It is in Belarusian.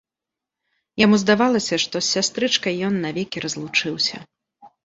Яму здавалася, што з сястрычкай ён навекі разлучыўся.